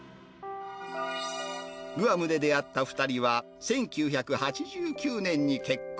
グアムで出会った２人は、１９８９年に結婚。